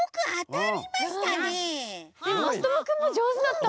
でもまさともくんもじょうずだった。